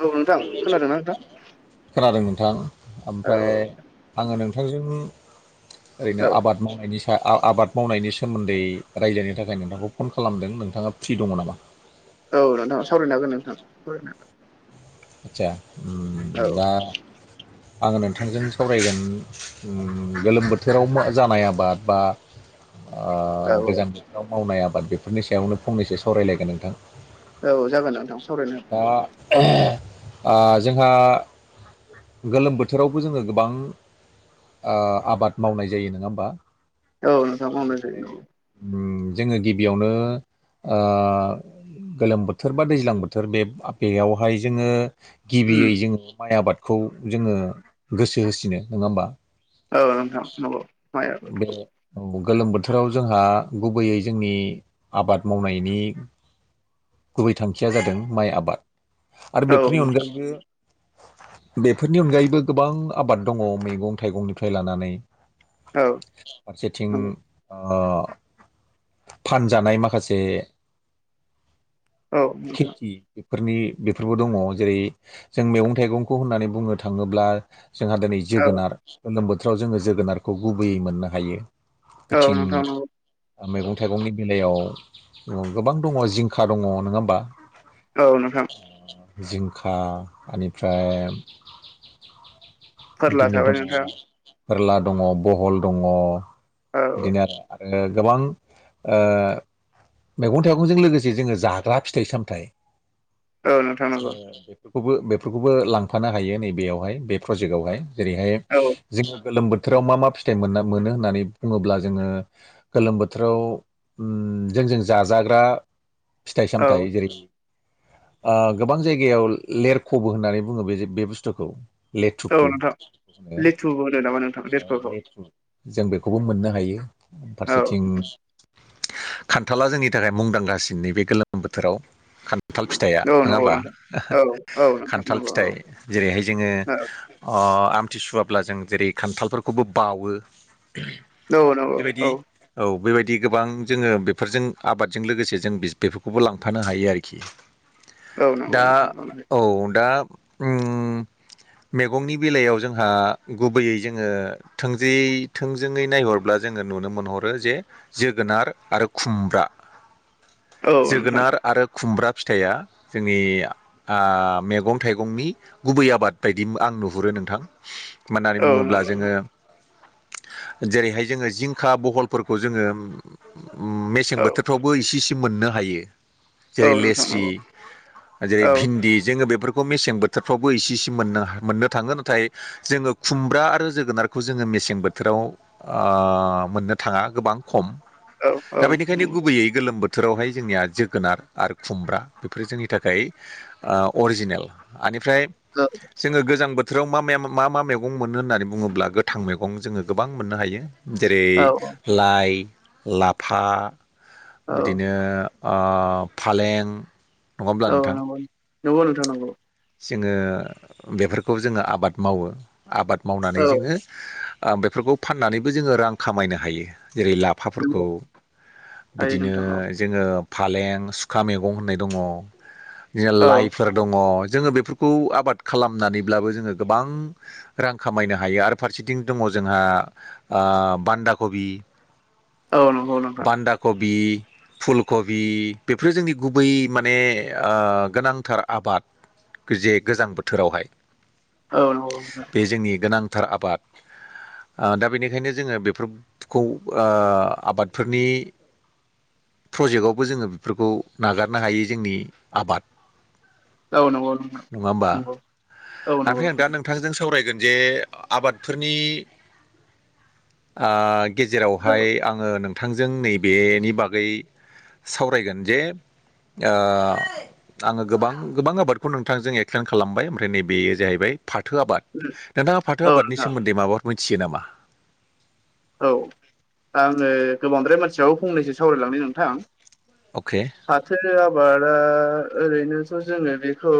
औ नोंथां खोनादोंना नोंथां खोनादोंमोनथां औ ओमफ्राय आङो नोंथांजों औ ओरैनो आबाद मावनायनि आबाद मावनायनि सोमोन्दै रायजोनि थाखाय नोंथांखौ फन खालामदों नोंथाङा फ्रि दङ नामा औ नोंथांा सावरायनो हागोन नोंथां सरायनो हागोन आतसा औ दा आङो नोंथांजों सावरायगोन गोलोम बोथोराव जानाय आबाद बा औ गोजान बिथिङाव मावनाय आबाद बेफोरनि सायावनो फंनैसो सावरायलायगोन नोंथां औ जागोन नंथां सावरायनो दा जोंहा गोलोम बोथोरावबो जोङो गोबां आबाद मावनाय जायो नङा होमबा औ नोंथां मावनाय जायो जेरैहाय नंगौ जोङो गिबियावनो गोलोम बोथोर बा दैज्लां बोथोर बे बेयावहाय जोङो उम गिबियै जोङो माइ आबादखौ जोङो गोसो होसिनो नङा होमबा? औ नोंथां नंगौ माइ आबाद औ औ गोलोम बोथोराव जोंहा गुबैयै जोंनि आबाद मावनायनि गुबै थांखिया जादों माइ आबाद आरो औ बेफोरनि नोंथां अनगायैबो बेफोरनि अनगायैबो गोबां आबाद दङ मैगं थाइगंनिफ्राय लानानै औ फारसेथिं नंगौ फानजानाय माखासे औ नोंथां खेथि बेफोरनि बेफोरबो दङ जेरै जों मैगं थाइगंखौ होननानै बुंनो थाङोब्ला जोंहा दिनै औ जोगोनार गोलोम बोथोराव जोङो जोगोनारखौ गुबैयै मोननो हायो औ बिथिं नोंथां नंगौ ओ मैगं थाइगंनि बेलायाव गोबां दङ जिंखा दङ नङा होमबा औ नोंथां जिंखा एनिफ्राय फोरला बिदिनो थाबाय दङ नोंथां फोरला दङ बहल दङ औ बिदिनो आरो आरो गोबां ओ मैगं थाइगंजों लोगोसे जोङो जाग्रा फिथाइ सामथाइ औ नोंथां नंगौ जोङो बेफोरखौबो बेफोरखौबो लांफानो हायो नैबेयावहाय बे प्रजेक्टआवहाय जेरैहाय औ जोङो गोलोम बोथोराव मा मा फिथाइ मोन मोनो होननानै बुङोब्ला जोङो गोलोम बोथोराव जों जों जाजाग्रा फिथाइ औ सामथाइ जेरै आ गोबां जायगायाव लेरख'बो होननानै बुङो बे बे बुस्थुखौ औ लेथुफुो नोंथां लिथुबो होनो नामा नोंथां औ लिरख'खौ लेथु जों बेखौबो मोननो हायो औ फारसेथिं खान्थाला जोंनि थाखाय मुंदांखासिन नैबे गोलोम बोथोराव खान्थाल फिथाइया औ नङा नंगौ हबा नोंथां औ औ नोंथां खान्थाल नंगौ औ फिथाइ जेरैहाय जोङो औ अ आमथि सुवाब्ला जों जेरै खान्थालफोरखौबो बावो नंगौ बेबायदि औ औ बेबायदि गोबां जोङो बेफोरजों आबादजों लोगोसे जों बेफोरखौबो लांफानो हायो आरोखि औ नंगौ दा नोंथां औ दा ओम मेगंनि बेलायाव जोंहा गुबैयै जोङो थोंजोयै थोंजोङै नायहरब्ला जोङो नुनो मोनहरो जे जोगोनार आरो खुमब्रा औ नोंथां जोगोनार आरो खुमब्रा फिथाइया जोंनि ओ मैगं थाइगंनि गुबै आबाद बायदि आं नुहुरो नोंथां मा होननानै औ बुङोब्ला नंगौ जोङो जेरैहाय जोङो जिंखा बहलफोरखौ जोङो ओम मेसें औ बोथोरफ्रावबो इसे इसे मोननो हायो औ जेरै नोंथां लेस्रि नंगौ जेरै औ भिन्दि जोङो बेफोरखौ मेसें बोथोरफ्रावबो इसे इसे मोननो मोननो थाङो नाथाय जोङो खुमब्रा आरो जोगोनारखौ जोङो मेसें बोथोराव ओ मोननो थाङा गोबां खम औ औ दा बेनिखायनो नंगौ गुबैयै गोलोम बो थोरावहाय जोंनिया जोगोनार आरो खुमब्रा बेफोरो जोंनि थाखाय ओ अरिजिनेल आनिफ्राय [unintelligible] जोङो गोजां बोथोराव मा मे मा मा मैगं मोनो होननानै बुङोब्ला गोथां मैगं जोङो गोबां मोननो हायो जेरै औ लाइ लाफा औ बिदिनो ओ फालें नङा होमब्ला औ नोंथां नंगौ नंगौ नोंथां नंगौ जोङो बेफोरखौ जोङो आबाद मावो आबाद मावनानै औ जोङो ओ बेफोरखौ फाननानैबो जोङो रां खामायनो हायो जेरै लाब फाफोरखौ नंगौ हायो बिदिनो नोंथां औ जोङो फालें सुखा मेगं होननाय दङ जे औ लाइफोर दङ जोङो बेफोरखौ आबाद खालामनानैब्लाबो जोङो गोबां रां खामायनो हायो आरो फारसेथिं दङ जोंहा ओ बान्दा कबि औ नंगौ नोंथां बान्दा कबि फुलखबि बेफोरो जोंनि गुबै माने ओ गोनांथार आबाद जे गोजां बोथोरावहाय औ नंगौ नोंथां बे जोंनि गोनांथार आबाद आ दा बेनिखायनो जोङो बेफोरखौ ओ आबादफोरनि प्रजेक्टआवबो जोङो बेफोरखौ नागारनो हायो जोंनि आबाद औ नोंगौ नङा होमबा ओमफ्राय आं दा नोंथां नोंथांजों सावरायगोन जे आबादफोरनि ओ औ गेजेरावहाय आङो नोंथांजों नैबेनि बागै सावरायगोन जे आङो गोबां गोबां आबाद बे खौ नोंथांजों एक्सप्लेन खालामबाय ओमफ्राय नैबेयो जाहैबाय फाथो आबाद नोंथाङा फाथो औ आबादनि नोंथां सोमोन्दै माबाफोर मिथियो नामा औ दा आङो गोबांद्राय मानसियाव फंनैसो सावरायलांनो नोंथां अके फाथो आबादा ओरैनोथ' जोङो बेखौ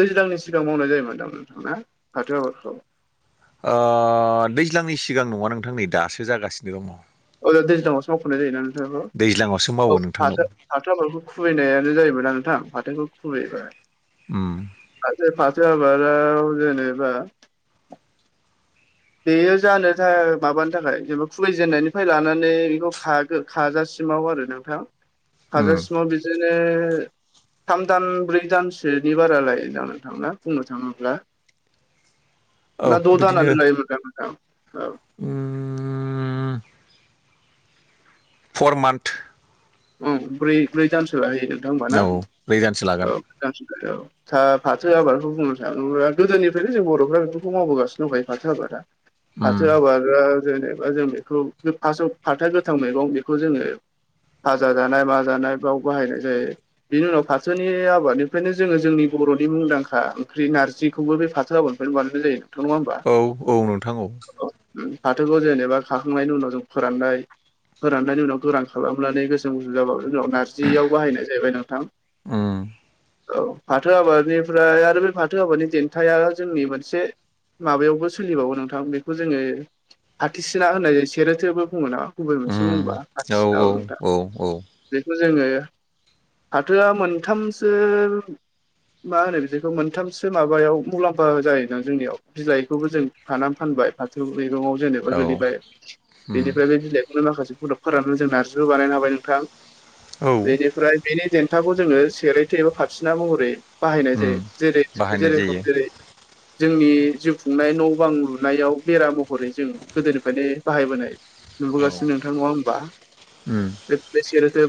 दैज्लांनि सिगां मावनाय जायोमोनदां नोंथांना फाथो आबादखौ ओ दैज्लांनि सिगां नङा नोंथां नै दासो जागासिनो दङ औ दैज्लांवसो मावख'नाय जायो ना नोंथांखौ दैज्लाङावसो मावो औ नोंथां फाथो फाथो आदफोरखौ खुबैनायानो जाहैबायना नोंथां फाथोखौ खुबैबाय उम ससे फाथो आबादाव जेनेबा बेयो जानो थाखाय माबानि थाखाय जेनेबा खुगै जेननायनिफ्राय लानानै बेखौ खागो खाजासिमाव आरो नोंथां लांदां हाजासिमाव बिदिनो थाम दान ब्रै दानसोनि बारा लायदां नोंथां बुंनो थाङोब्ला लांदां ना द' दाना लायोमोन नोंथां नोंथां औ ओम फर मान्थ ओम ब्रै ब्रै दानसो लायो नोंथां होमबा ना औ नै दानसो लागोन औ ब्रै दानसो औ सा फाथो आबादखौ बुंनो साना गोदोनिफ्रायनो जों बर'फ्रा बेफोरखौ मावबोगासिनो दंखायो फाथो आबादा उम फाथो आबादा जेनेबा जों बेखौ फास्स्टआव फाथो गोथां मैगं बेखौ जोङो भाजा जानाय मा जानाय बाव बाहायनाय जायो बिनि उनाव फाथोनि आबादनिफ्रायनो जोङो जोंनि बरनि मुंदांखा ओंख्रि नारजिखौबो बे फाथो आबाद बे बानायनाय जायो नोंथां नङा होमबा औ औ नोंथां औ फाथोखौ जेनेबा खाखांनायनि उनाव जों फोराननाय फोराननायनि उनाव गोरान खालामनानै [unintelligible] नारजियाव बाहायनाय जाहैबाय नोंथां उम औ फाथो आबादनिफ्राय आरो बे फाथो आबादनि देन्थाया जोंनि मोनसे माबायावबो सोलिबावो नोंथां बेखौ जोङो फाथिसिना होनो सेरोथोबो बुङो ना गुबै मोनसे उम बुंबा औ फाथिसिना औ औ औ बेखौ जोङो फाथोआ मोनथामसो मा होनो बिदिखौ मोनथामसो माबायाव मुलाम्फा जायोना जोंनियाव बिलाइखौबो जों खानानै फानबाय फाथौ मैगंङाव जेनेबा औ गोलैबाय उम बेनिफ्राय बे बिलाइ नो माखासे प्रदाक फोरानो जों नारजिबो बानायनो हाबाय नोंथां औ बेनिफ्राय बेनि देन्थाखौ जोङो सेरैथो एबा फाथिसिना महरै बाहायनाय जायो जेरै जेरेखम जेरै लांदां जोंनि जिउ खुंनाय न बां लुनायाव बेरा महरै जों गोदोनिफ्रायनो बाहायबोनाय नुबोगासिनो नोंथां नङा होमबा उम बे बे सेरोथो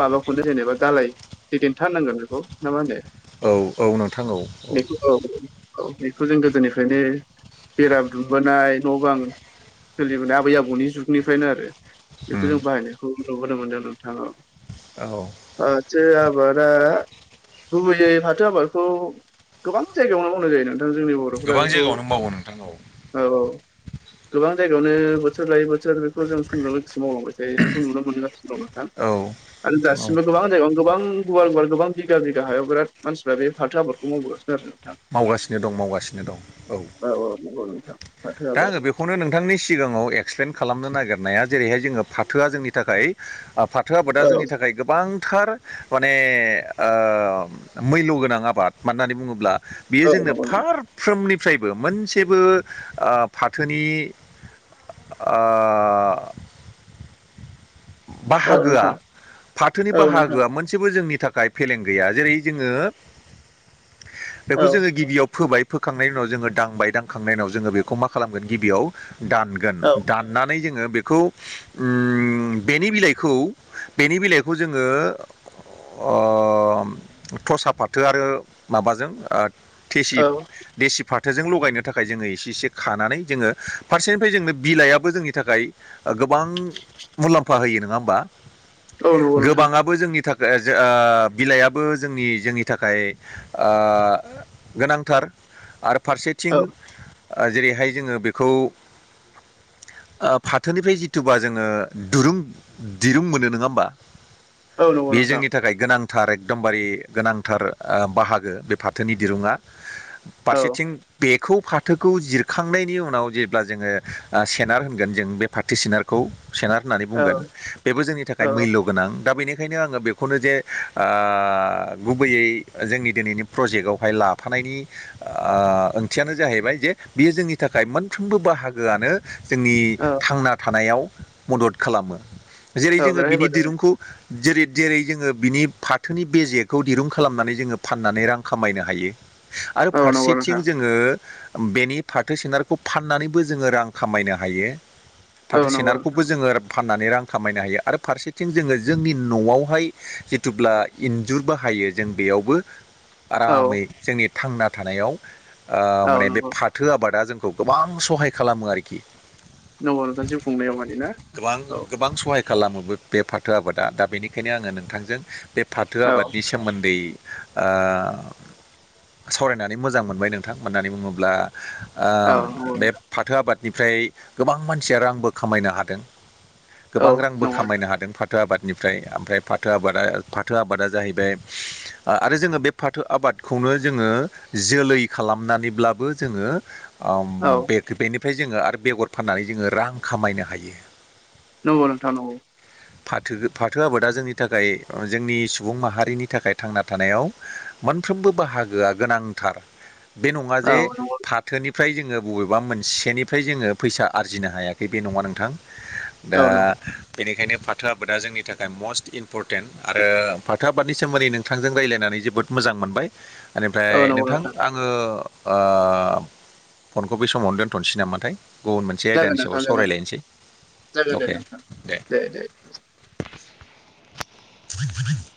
माबाखौनो जेनेबा दालाय देन्था होननांगोन बेखौ ना मा होनो औ औ नोंथां औ औ बेखौ औ औ बेखौ जों गोदोनिफ्रायनो बेरा दुमबोनाय न' बां सोलिबोनाय आबै आबौनि जुगनिफ्रायनो आरो बेखौ उम जों बाहायनायखौ नुबोनो मोनदों नोंथां औ। औ। फाथो आबादा गुबैयै फाथो आबादखौ गोबां जायगायावनो मावनाय जायो नों थां जोंनि बरफ्रा गोबां बेखौ जायगायावनो मावो नोंथां औ औ। गोबां जायगायावनो बोथोर लायै बोथोर बेखौ जों समजों लोगोसे मावलांबाय थायो बेखौ नुनो मोनबोगासिनो दं नोंथां। औ। आरो नोंथां औ दासिमबो गोबां जायगायावनो गोबां गुवार गुवार गोब बिघा बिघा हायाव बिराद मानसिफ्रा बे फाथो आबादखौ मावबोगासिनो आरो मावगासिनो दं मावगासिनो दं औ औ औ नोंगौ नोंथां फाथो दा आबाद आंङो बे खौनो नोंथांनि सिगाङाव एक्सप्लेन खालामनो नागिरनाया जेरैहाय जोङो फाथोआ जोंनि थाखाय आफाद फाथो आबादा जोंनि थाखाय गोबांथार माने ओ मैल्य गोनां आबाद मानो होननानै बुङोब्ला बियो औ जोंनो नंगौ नंगौ फारफ्रोम निफ्रायबो मोनसेबो ओ फाथोनि ओ औ बाहागोआ नोंथां फाथोनि औ नोंथां बाहागोआ मोनसेबो जोंनि थाखाय फेलें गैया जेरै जोङो बेखौ औ जोङो गिबियाव फोबाय फोखांनायनि उनाव जोङो दांबाय दांखांनायनि उनाव जोङो बेखौ मा खालामोन गिबियाव दानगोन औ दान नानै जोङो बेखौ उम बेनि बिलाइखौ बेनि बिलाइखौ जोङो ओ थसा फाथो आरो माबाजों ओ थेसि औ देसि फाथोजों लगायनो थाखाय जोङो एसे एसे खानानै जोङो फारसेनिफ्राय जोंनो बिलाइयाबो जोंनि थाखाय ओ गोबां मुलाम्फा होयो नंङा होमबा औ नंगौ नोंथां गोबाङा बो जोंनि थाखाय जो ओ बिलाइयाबो जोंनि जोंनि थाखाय ओ गोनांथार आरो फारसेथिं औ ओ जेरैहाय जोङो बेखौ ओ फाथोनिफ्राय जिथुबा जोङो दुरुं दिरुं मोनो नङा होमबा औ नंगौ बे नोंथां जोंनि थाखाय गोनां थार एकदमबारे गोनांथार ओ बाहागो बे फाथोनि दिरुङा। औ फारसेथिं बेखौ फाथोखौ जिरखांनायनि उनाव जेब्ला जोङो ओ सेनार होनगोन जों बे फाथो सेनारखौ सेनार होननानै औ बुंगोन बेबो जोंनि थाखाय औ मुल्य। गोनां दा बेनिखायनो आंङो बेखौनो जे ओ गुबैयै जोंनि दिनैनि प्रजेक्टआवहाय लाफानायनि ओ ओंथियानो जाहैबाय जे बियो जोंनि थाखाय मोनफ्रोमबो बाहागोआनो जोंनि औ थांना थानायाव मदद खालामो जेरै औ जोङो बिराद बिनि हेफाजाब दिरुंखौ जेरै जेरै जोङो बिनि फाथोनि बेजेखौ दिरुं खालामनानै जोङो फाननानै रां खामायनो हायो। आरो औ नंगौ नोंथां फारसेथिं जोङो बेनि फाथो सोनारखौ फाननानैबो जोङो रां खामायनो हायो औ फाथो नंगौ नोंथां सोनारखौबो जोङो फाननानै रां खामायनो हायो आरो फारसेथिं जोङो जोंनि न'आवहाय जिथुब्ला इन्जुर बाहायो जों बेयावबो औ आरामै जोंनि थांना थानायाव ओ औ माने बे नंगौ फा थो आबादा जोंखौ गोबां सहाय खालामो आरोखि। औ औ नोंथां जिउ खुंनायाव माने ना? गोबां औ गोबां सहाय खालामो बे बे फाथो आबादा दा बेनिखायनो आंङो नोंथांजों बे फाथो औ आबादनि सो सोमोन्दै ओ सावरायनानै मोजां मोनबाय नोंथां। मानो होननानै बुङोब्ला ओ औ नंगौ बे फाथो आबादनिफ्राय गोबां मानसिया रांबो खामायनो हादों। गोबां औ रांबो नंगौ खामायनो हादों फाथ फाथो आबादनिफ्राय ओमफ्राय फाथो आबादा फाथो आबादा जाहैबाय ओ आरो जोङो बे फाथो आबादखौनो जोङो जोलै खालामनानैब्लाबो जोङो ओम औ। बेफोरबायनिफ्राय जोङो आरो बेगर फाननानै जोङो रां खामायनो हायो। नंगौ नोंथां नंगौ। फाथो-फाथो आबादा अ जोंनि थाखाय जोंनि सुबुं माहारिनि थाखाय थांना थानायाव मोनफ्रोमबो बाहागोआ गोनांथार बे नंङा औ जे नंगौ फा थोनिफ्राय जोङो बबेबा मोनसेनिफ्राय जोङो फैसा आरजिनो हायाखै बे नङा नोंथां। दा औ नंगौ बेनिखायनो फाथो आबादा जोंनि थाखाय मस्ट इम्परटेन्ट। आरो फाथो आबादनि सोमोन्दै नोंथांजों रायज्लायनानै जोबोद मोजां मोनबाय ओनिफ्राय औ नंगौ नोंथां आं ङो ओ फनखौ बै समावनो दोनथ'नोसै नामाथाय। गुबुन मोनसे जागोन आयदानि सायाव नोंथां जागोन सावरायलायनोसै। जागोन दे अके नोंथां दे [unintelligible]